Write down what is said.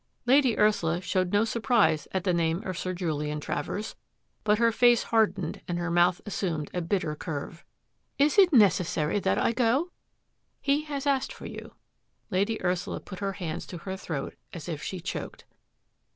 Lady Ursula showed no surprise at the name of Sir Julian Travers, but her face hardened and her mouth assumed a bitter curve. " Is it necessary that I go? "" He has asked for you." Lady Ursula put her hands to her throat as if she choked.